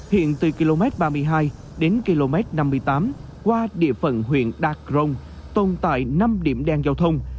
hiện từ km ba mươi hai đến km năm mươi tám qua địa phận huyện đạt rồng tồn tại năm điểm đen giao thông